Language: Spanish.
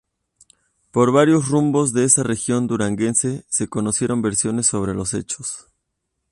Por varios rumbos de esa región duranguense se conocieron versiones sobre los hechos.